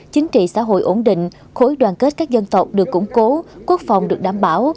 chính trị xã hội ổn định khối đoàn kết các dân tộc được củng cố quốc phòng được đảm bảo